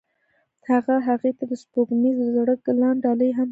هغه هغې ته د سپوږمیز زړه ګلان ډالۍ هم کړل.